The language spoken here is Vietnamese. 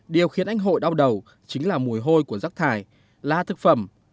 điều khiến anh hội đau đầu chính là mùi hôi của rác thải lá thực phẩm